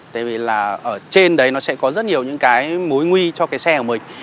tại vì là ở trên đấy nó sẽ có rất nhiều những cái mối nguy cho cái xe của mình